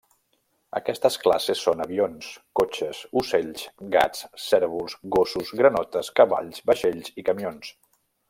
Aquestes classes són avions, cotxes, ocells, gats, cérvols, gossos, granotes, cavalls, vaixells i camions.